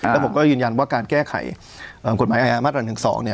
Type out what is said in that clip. แล้วผมก็ยืนยันว่าการแก้ไขกฎหมายอายามาตรา๑๒เนี่ย